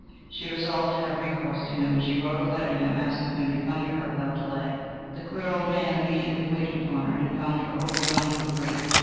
She resolved to have recourse to him, and she wrote a letter to him asking him to come to her without delay. The queer old man immediately waited upon her and found her overwhelmed with grief.